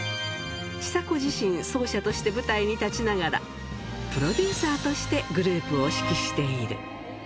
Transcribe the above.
ちさ子自身、奏者として舞台に立ちながら、プロデューサーとしてグループを指揮している。